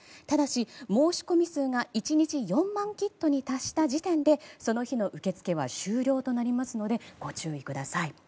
ただし、申し込み数が１日４万キットに達した時点でその日の受け付けは終了となりますのでご注意ください。